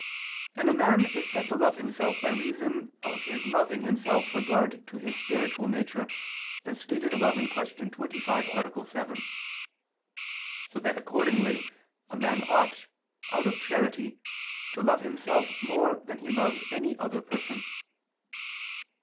And a man is said to love himself by reason of his loving himself with regard to his spiritual nature, as stated above (Q. 25, A. 7): so that accordingly, a man ought, out of charity, to love himself more than he loves any other person.